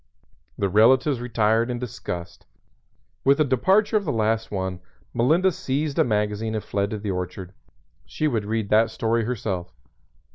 The relatives retired in disgust. With the departure of the last one Melinda seized a magazine and fled to the orchard. She would read that story herself.